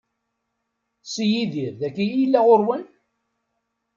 Si Yidir dagi i yella ɣur-wen?